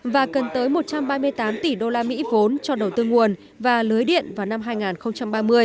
và cần tới một trăm ba mươi tám tỷ đô la mỹ vốn cho đầu tư nguồn và lưới điện vào năm hai nghìn ba mươi